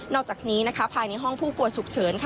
อกจากนี้ภายในห้องผู้ป่วยฉุกเฉิน